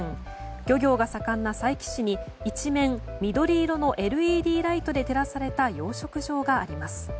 漁業が盛んな佐伯市に一面、緑色のＬＥＤで照らされた養殖場があります。